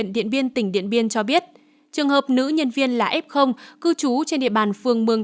điện biên tỉnh điện biên cho biết trường hợp nữ nhân viên là f cư trú trên địa bàn phường mường